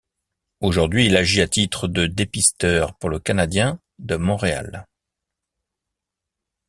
Aujourd'hui, il agit à titre de dépisteur pour le canadien de Montréal.